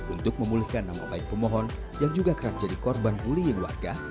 untuk memulihkan nama baik pemohon yang juga kerap jadi korban bullying warga